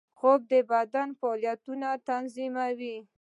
خوب د بدن فعالیتونه تنظیموي